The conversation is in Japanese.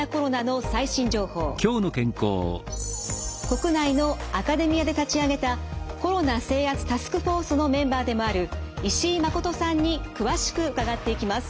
国内のアカデミアで立ち上げたコロナ制圧タスクフォースのメンバーでもある石井誠さんに詳しく伺っていきます。